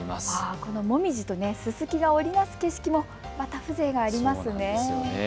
このモミジとススキが織り成す景色もまた風情がありますね。